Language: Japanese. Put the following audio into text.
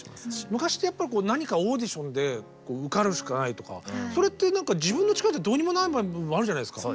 昔ってやっぱり何かオーディションで受かるしかないとかそれって何か自分の力じゃどうにもならない場合もあるじゃないですか。